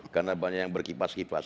karena banyak yang berkipas kipas